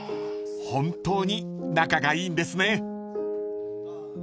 ［本当に仲がいいんですね］